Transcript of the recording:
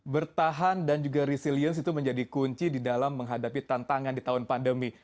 bertahan dan juga resilience itu menjadi kunci di dalam menghadapi tantangan di tahun pandemi